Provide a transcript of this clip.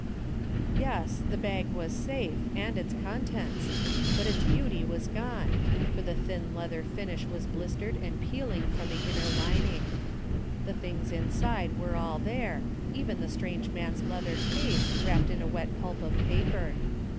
Yes, the bag was safe, and its contents, but its beauty was gone, for the thin leather finish was blistered and peel 41 THE FINDING OF JASPEE HOLT ing from the inner lining. The things inside were all there, even the strange man's leather case, wrapped in a wet pulp of paper.